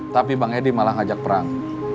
tapi bang edi malah ngajak perang